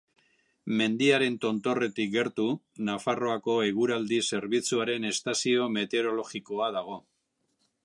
Mendiaren tontorretik gertu, Nafarroako eguraldi zerbitzuaren estazio meteorologikoa dago.